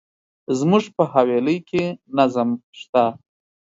زموږ په حویلی کي نظم شته.